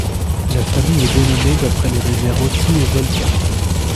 La famille est dénommée d'après les rivières Oti et Volta.